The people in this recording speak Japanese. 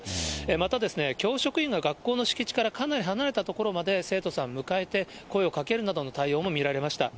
また、教職員が学校の敷地からかなり離れた所まで生徒さんを迎えて、声をかけるなどの対応も見られました。